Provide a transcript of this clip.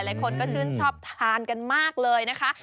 หลายคนก็ชื่นชอบทานกันมากเลยนะคะ